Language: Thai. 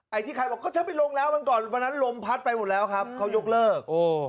ไอ้ที่ใครบอกก็ฉันไปลงแล้ววันก่อนวันนั้นลมพัดไปหมดแล้วครับเขายกเลิก